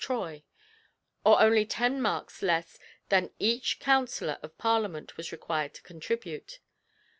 troy); or only ten marcs less than each counsellor of Parliament was required to contribute.